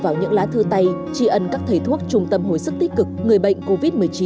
vào những lá thư tay tri ân các thầy thuốc trung tâm hồi sức tích cực người bệnh covid một mươi chín